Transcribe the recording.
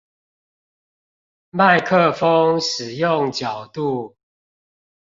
麥克風使用角度